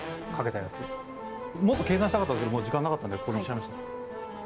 もっと計算したかったですけどもう時間なかったんでこれにしちゃいました。